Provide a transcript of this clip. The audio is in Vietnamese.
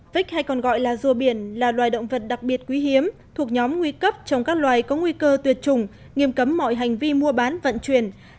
vích hay còn gọi là rùa biển là loài động vật đặc biệt quý hiếm thuộc nhóm nguy cấp trong các loài có nguy cơ tuyệt chủng nghiêm cấm mọi hành vi mua bán vận chuyển